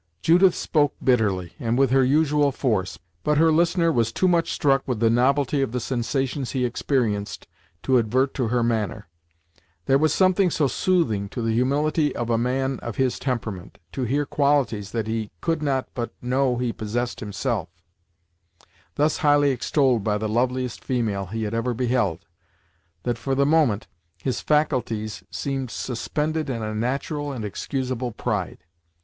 Judith spoke bitterly, and with her usual force, but her listener was too much struck with the novelty of the sensations he experienced to advert to her manner. There was something so soothing to the humility of a man of his temperament, to hear qualities that he could not but know he possessed himself, thus highly extolled by the loveliest female he had ever beheld, that, for the moment, his faculties seemed suspended in a natural and excusable pride.